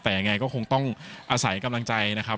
แต่ยังไงก็คงต้องอาศัยกำลังใจนะครับ